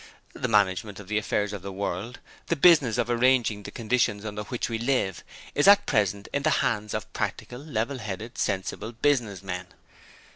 The management of the affairs of the world the business of arranging the conditions under which we live is at present in the hands of Practical, Level headed, Sensible Business men.